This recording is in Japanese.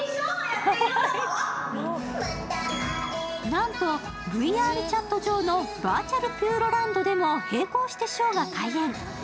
なんと、ＶＲチャット上のバーチャルピューロランドでも並行してショーが開演。